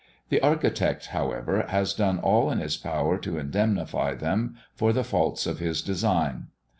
The architect, however, has done all in his power to indemnify them for the faults of his design.